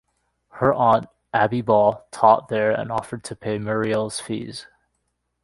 Her aunt, Abbie Ball, taught there and offered to pay Muriel's fees.